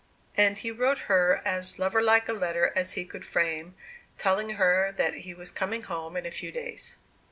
And he wrote her as lover like a letter as he could frame, telling her that he was coming home in a few days.